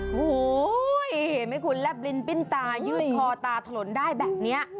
โอ้โหเห็นไหมคุณแลบลิ้นปิ้นตายืดคอตาถลนได้แบบนี้